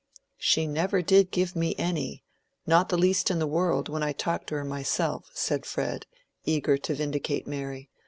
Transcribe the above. "She never did give me any—not the least in the world, when I talked to her myself," said Fred, eager to vindicate Mary.